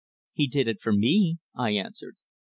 "He did it for me," I answered.